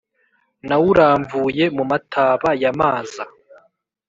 nawuramvuye mu mataba ya maza